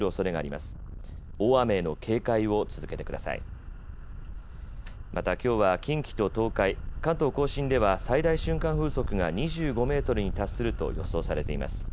また、きょうは近畿と東海、関東甲信では最大瞬間風速が２５メートルに達すると予想されています。